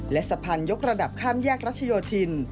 และสะพานยกระดับข้ามแยกรัชโยธิน